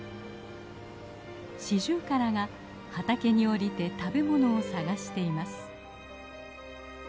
シジュウカラが畑に下りて食べ物を探しています。